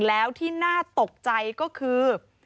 แล้วที่น่าตกใจก็คือ